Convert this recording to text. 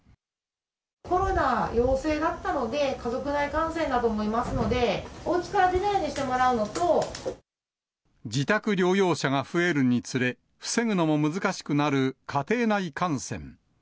コロナ陽性だったので、家族内感染だと思いますので、おうちから出ないようにしてもら自宅療養者が増えるにつれ、防ぐのも難しくなる家庭内感染。